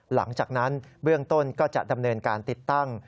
หลังจากนั้นเบื้องต้นก็จะดำเนินการติดตั้ง